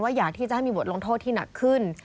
อยากที่จะให้มีบทลงโทษที่หนักขึ้น